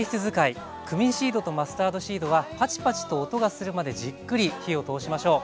クミンシードとマスタードシードはパチパチと音がするまでじっくり火を通しましょう。